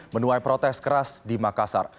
menuai protes keras di makassar